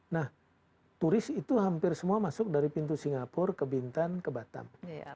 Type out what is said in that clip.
nah turis itu hampir semua masuk dari pintu singapura ke bintan ke batam